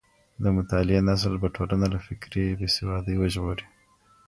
د مطالعې نسل به ټولنه له فکري بېسوادۍ وژغوري.